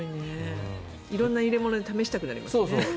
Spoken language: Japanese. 色んな入れ物で試したくなりますね。